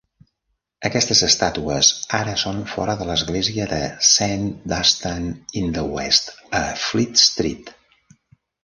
Aquestes estàtues ara són fora de l'església de Saint Dunstan-in-the-West, a Fleet Street.